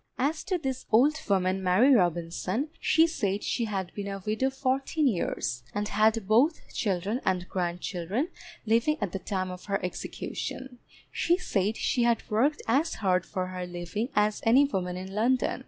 As to this old woman Mary Robinson, she said she had been a widow fourteen years, and had both children and grandchildren living at the time of her execution; she said she had worked as hard for her living as any woman in London.